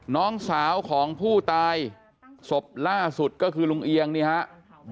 น้องสาวของผู้ตายศพล่าสุดก็คือลุงเอียงนี่ครับ